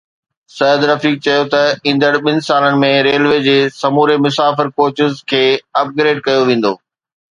سعد رفيق چيو ته ايندڙ ٻن سالن ۾ ريلوي جي سموري مسافر ڪوچز کي اپ گريڊ ڪيو ويندو